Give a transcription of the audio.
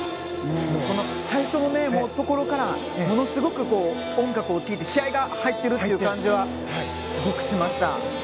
最初のところからものすごく音楽を聴いて気合が入っている感じはすごくしました。